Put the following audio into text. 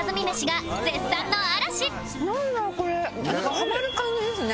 ハマる感じですね。